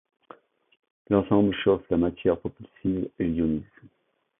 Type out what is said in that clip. L'ensemble chauffe la matière propulsive et l'ionise.